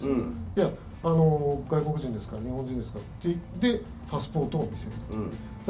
いや、外国人ですから日本人ですからでパスポートを見せるという。